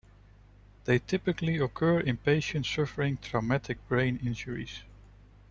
They typically occur in patients suffering traumatic brain injuries.